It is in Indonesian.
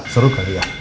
seru kali ya